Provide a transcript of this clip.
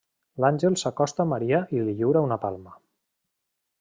L'àngel s'acosta a Maria i li lliura una palma.